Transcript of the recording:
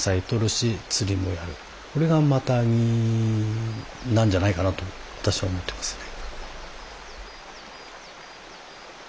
これがマタギなんじゃないかなと私は思ってますね。